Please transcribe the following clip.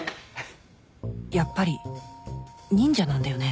やっぱり忍者なんだよね？